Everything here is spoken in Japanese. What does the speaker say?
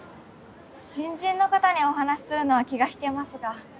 新人の方にお話しするのは気が引けますが。